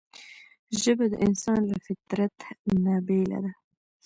ژبه د انسان له فطرته نه بېله ده